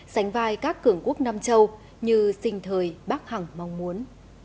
sánh vai các cường quốc nam châu như sinh thời bác hẳng mong muốn